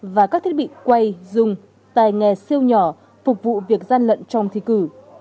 và các thiết bị quay dùng tay nghề siêu nhỏ phục vụ việc gian lận trong thi cử